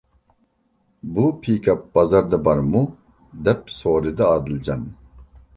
بۇ پىكاپ بازاردا بارمۇ؟ -دەپ سورىدى ئادىلجان.